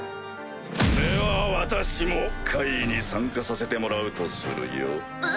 では私も会議に参加させてもらうとするよ。